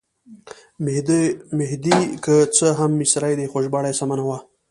مهدي که څه هم مصری دی خو ژباړه یې سمه نه وه.